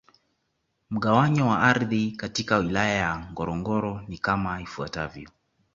Mgawanyo wa ardhi katika Wilaya ya Ngorongoro ni kama ifuatavyo